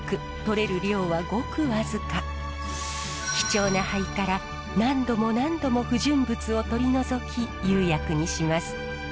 貴重な灰から何度も何度も不純物を取り除き釉薬にします。